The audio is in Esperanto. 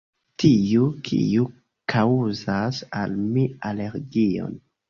Tiu, kiu kaŭzas al mi alergion...